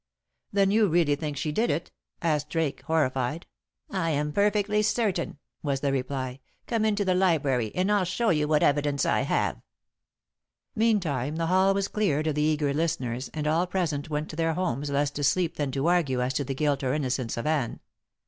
"Then you really think she did it?" asked Drake, horrified. "I am perfectly certain," was the reply. "Come into the library, and I'll show you what evidence I have." Meantime the hall was cleared of the eager listeners, and all present went to their homes less to sleep than to argue as to the guilt or innocence of Anne.